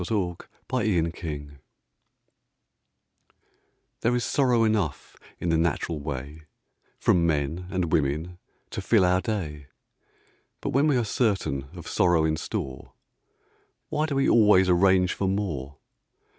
THE POWER OF THE DOG There is sorrow enough in the natural way From men and women to fill our day; But when we are certain of sorrow in store, Why do we always arrange for more?